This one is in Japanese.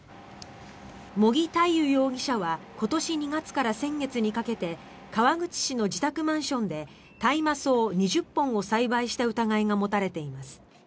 茂木大勇容疑者は今年２月から先月にかけて川口市の自宅マンションで大麻草２０本を栽培した疑いが持たれています。